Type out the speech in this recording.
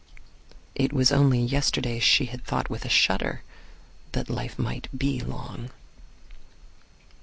It was only yesterday she had thought with a shudder that life might be long.